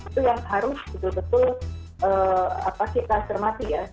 itu yang harus betul betul kita cermati ya